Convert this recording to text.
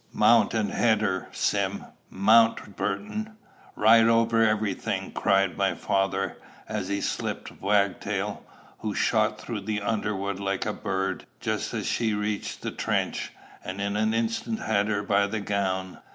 "Mount and head her, Sim. Mount, Burton. Ride over every thing," cried my father, as he slipped Wagtail, who shot through the underwood like a bird, just as she reached the trench, and in an instant had her by the gown.